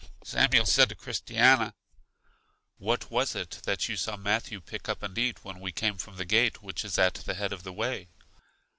Samuel said to Christiana, What was it that you saw Matthew pick up and eat when we came from the gate which is at the head of this way?